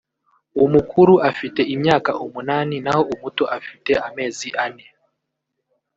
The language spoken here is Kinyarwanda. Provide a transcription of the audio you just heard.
umukuru afite imyaka umunani naho umuto afite amezi ane